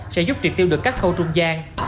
sẽ giúp triệt tiêu được các khâu trung gian